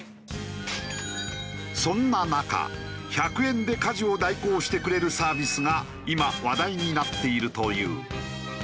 そんな中１００円で家事を代行してくれるサービスが今話題になっているという。